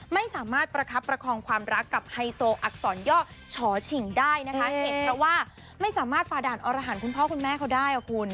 ไม่สามารถประคับประคองความรักกับไฮโซอักษรย่อฉอฉิงได้นะคะเหตุเพราะว่าไม่สามารถฝ่าด่านอรหารคุณพ่อคุณแม่เขาได้อ่ะคุณ